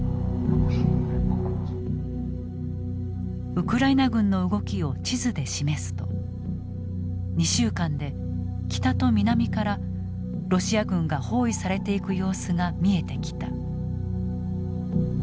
ウクライナ軍の動きを地図で示すと２週間で北と南からロシア軍が包囲されていく様子が見えてきた。